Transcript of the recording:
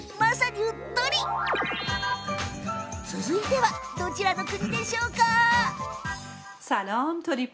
続いては、どこの国でしょうか？